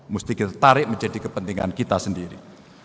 mesti kita tarik menjadi kepentingan kita sendiri